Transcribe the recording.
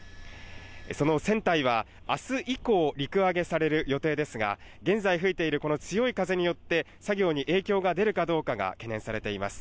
その船体は明日以降、陸揚げされる予定ですが、現在吹いているこの強い風によって作業に影響が出るかどうかが懸念されています。